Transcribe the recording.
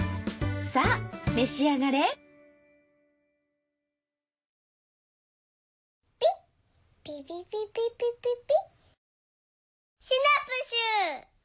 さぁ召し上がれピッピピピピピピピ。